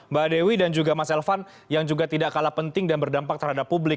mbak dewi dan juga mas elvan yang juga tidak kalah penting dan berdampak terhadap publik